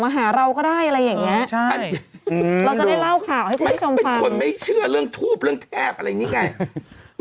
เป็นคนไม่เชื่อเรื่องทูบเรื่องแทบอะไรอย่างนี้ไง